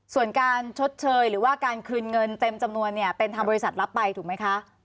ส่วนการชดเชยหรือว่าการคืนเงินเต็มจำนวนเนี่ยเป็นทางบริษัทรับไปถูกไหมคะ